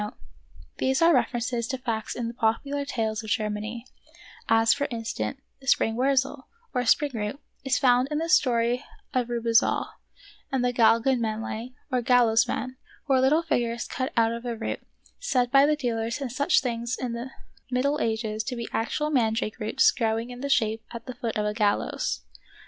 But these probably don't interest ^ These are references to facts in the popular tales of Germany : as, for instance, the Spring Wurzel, or spring root, is found in the story of Riibezahl ; and the Galgen Mannlein, or gallows men, were little figures cut out of a root, said by the dealers in such things in the Middle Ages to be actual mandrake roots growing in that shape at the foot of a gallows.